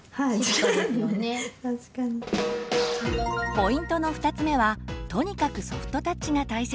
ポイントの２つ目はとにかくソフトタッチが大切。